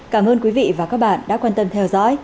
cảm ơn quý vị và các bạn đã quan tâm theo dõi